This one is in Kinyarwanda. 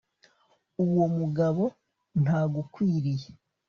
uwo mugabo ntagukwiriye